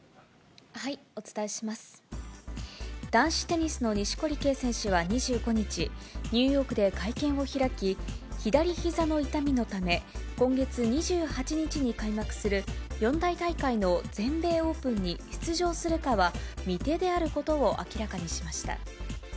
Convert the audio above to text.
男子テニスの錦織圭選手は２５日、ニューヨークで会見を開き、左ひざの痛みのため、今月２８日に開幕する四大大会の全米オープンに出場するかは未定であることを明らかにしました。